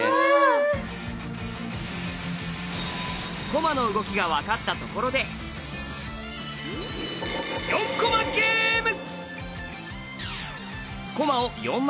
駒の動きが分かったところで４駒ゲーム！